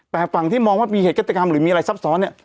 แต่ฝั่งที่มองว่ามีเหตุฆาตกรรมหรือมีอะไรซับซ้อนเนี่ย